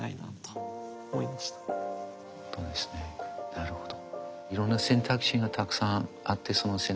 なるほど。